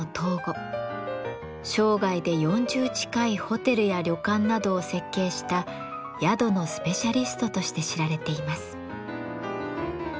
生涯で４０近いホテルや旅館などを設計した宿のスペシャリストとして知られています。